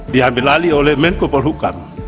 diambil alih oleh menko polhukam